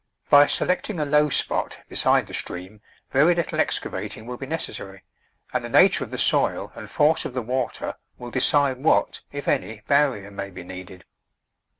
By selecting a low spot beside the stream very little excavating will be nec essary, and the nature of the soil and force of the water will decide what, if any, barrier may be needed.